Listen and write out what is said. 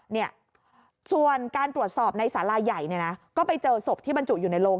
เนี่ยส่วนการตรวจสอบในสาราใหญ่เนี่ยนะก็ไปเจอศพที่บรรจุอยู่ในโรง